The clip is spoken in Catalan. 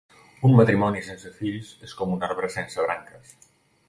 Un matrimoni sense fills és com un arbre sense branques.